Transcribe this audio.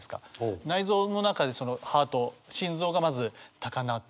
内臓の中でそのハート心臓がまず高鳴って。